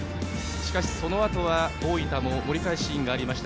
しかし、そのあと大分も盛り返すシーンがありました。